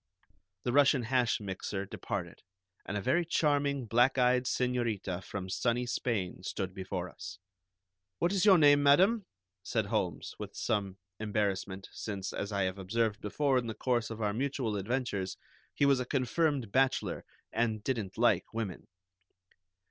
The Russian hash mixer departed, and a very charming black eyed señorita from sunny Spain stood before us. "What is your name, madam?" said Holmes, with some embarrassment, since, as I have observed before in the course of our mutual adventures, he was a confirmed bachelor, and didn't like women.